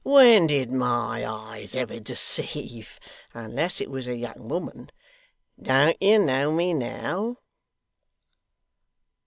'When did MY eyes ever deceive unless it was a young woman! Don't you know me now?